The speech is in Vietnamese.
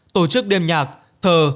tổ chức đêm nhạc thờ